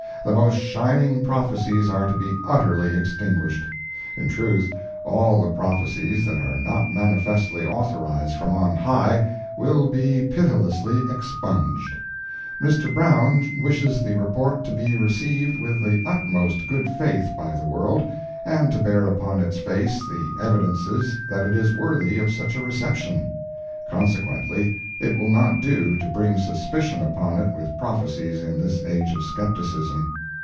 The most shining prophecies are to be utterly extinguished. In truth, all the prophecies that are not manifestly authorized from on high, will be pitilessly expunged. Mr. Brown[e] wishes the report to be received with the utmost good faith by the world, and to bear upon its face the evidences that it is worthy of such a reception. Consequently it will not do to bring suspicion upon it with prophecies in this age of skepticism.